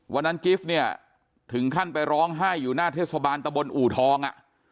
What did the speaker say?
วันนั้นกิฟต์เนี่ยถึงขั้นไปร้องไห้อยู่หน้าเทศบาลตะบนอูทอง